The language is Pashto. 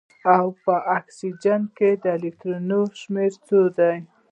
او په اکسیجن کې د الکترونونو شمیر څو دی